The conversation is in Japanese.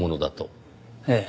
ええ。